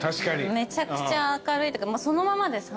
めちゃくちゃ明るいというかそのままです